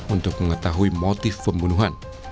untuk mengetahui motif pembunuhan